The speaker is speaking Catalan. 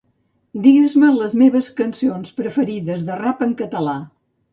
Digues-me les meves cançons preferides de rap en català.